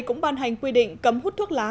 cũng ban hành quy định cấm hút thuốc lá